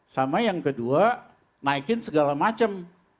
sama yang kedua naikin segala macam